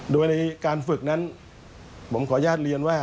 โดยในการฝึกนั้นผมขออนุญาตเรียนว่า